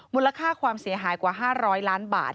มูลค่าความเสียหายกว่า๕๐๐ล้านบาท